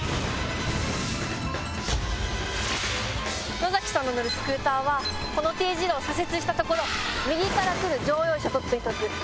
野崎さんの乗るスクーターはこの丁字路を左折したところ右から来る乗用車と追突。